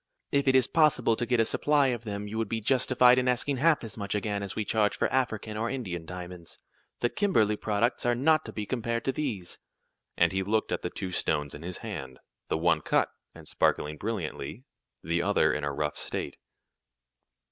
"If it is possible to get a supply of them you would be justified in asking half as much again as we charge for African or Indian diamonds. The Kimberly products are not to be compared to these," and he looked at the two stones in his hand the one cut, and sparkling brilliantly, the other in a rough state.